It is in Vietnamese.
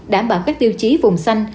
đảm bảo các tiêu chí vùng xanh